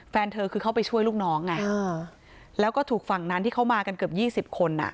แฟนเธอคือเข้าไปช่วยลูกน้องไงแล้วก็ถูกฝั่งนั้นที่เข้ามากันเกือบ๒๐คนอ่ะ